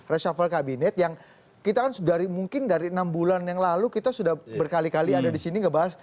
reshuffle kabinet yang kita kan dari mungkin dari enam bulan yang lalu kita sudah berkali kali ada di sini ngebahas